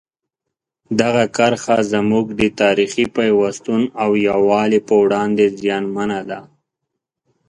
دغه کرښه زموږ د تاریخي پیوستون او یووالي په وړاندې زیانمنه ده.